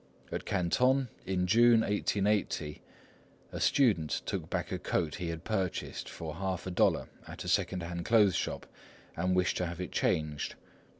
At Canton, in June, 1880, a student took back a coat he had purchased for half a dollar at a second hand clothes shop, and wished to have it changed.